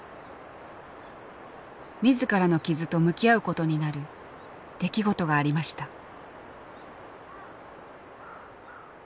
自らの傷と向き合うことになる出来事がありました。